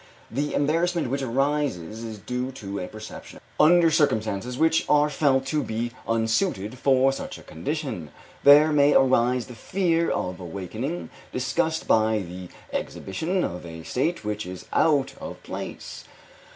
The embarrassment which arises is due to a perception of this fact under circumstances which are felt to be unsuited for such a condition. There may arise the fear of awakening disgust by the exhibition of a state which is out of place.